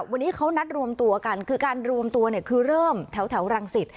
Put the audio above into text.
วันนี้เขานัดรวมตัวกันคือการรวมตัวเนี่ยคือเริ่มแถวรังสิต